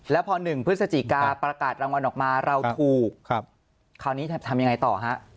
แล้วพอ๑พฤศจิกาประกาศรางวัลออกมาเราถูกคราวนี้ทำยังไงต่อฮะ